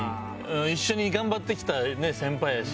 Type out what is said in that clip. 一緒に頑張ってきた先輩やし。